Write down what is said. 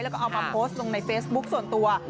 แล้วก็เอามาโพสต์ลงในเฟซบุ๊คส่วนตัว